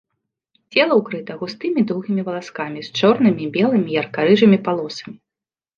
Цела ўкрыта густымі доўгімі валаскамі, з чорнымі, белымі, ярка-рыжымі палосамі.